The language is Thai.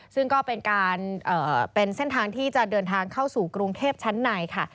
ซึ่งก็เป็นการเป็นเส้นทางที่จะเดินทางเข้าสู่กรุงเทพชั้นในค่ะ